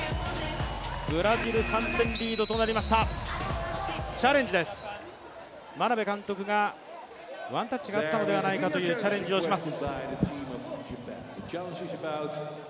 ブラジル３点リードとなりました、眞鍋監督がワンタッチがあったのではないかというチャレンジをします。